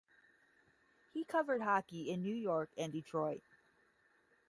He covered hockey in New York and Detroit.